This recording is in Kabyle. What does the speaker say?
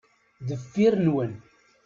Deffir nwen.